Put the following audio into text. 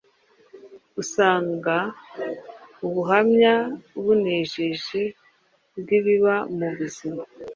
usanga ubuhamya bunejeje bw’ibiba mu buzima